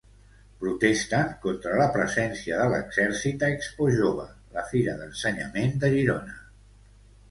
Protesten contra la presència de l'exèrcit a ExpoJove, la fira d'ensenyament de Girona.